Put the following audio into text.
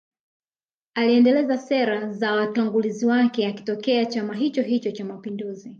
Aliendeleza sera za watangulizi wake akitokea chama hichohicho cha mapinduzi